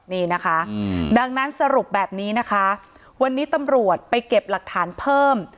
นี่นะคะดังนั้นสรุปแบบนี้นะคะวันนี้ตำรวจไปเก็บหลักฐานเพิ่ม